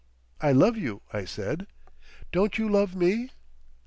"I love you," I said. "Don't you love me?"